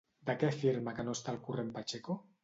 De què afirma que no està al corrent Pacheco?